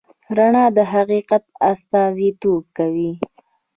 رڼا د حقیقت استازیتوب کوي.